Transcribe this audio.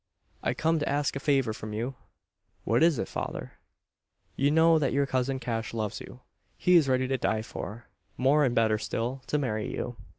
"I come to ask a favour from you." "What is it, father?" "You know that your cousin Cash loves you. He is ready to die for more and better still, to marry you."